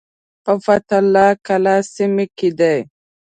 په فتح الله کلا سیمه کې دی.